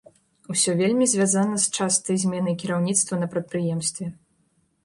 Усё вельмі звязана з частай зменай кіраўніцтва на прадпрыемстве.